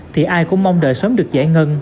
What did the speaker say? thì ai cũng mong đợi sớm được giải ngân